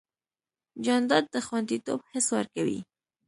جانداد د خوندیتوب حس ورکوي.